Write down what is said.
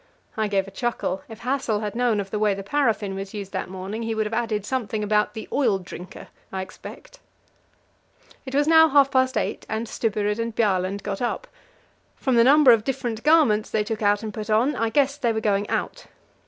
I gave a chuckle. If Hassel had known of the way the paraffin was used that morning, he would have added something about the "oil drinker," I expect. It was now half past eight, and Stubberud and Bjaaland got up. From the number of different garments they took out and put on, I guessed they were going out.